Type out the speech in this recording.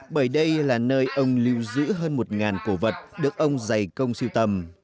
bởi đây là nơi ông lưu giữ hơn một cổ vật được ông giải công sưu tầm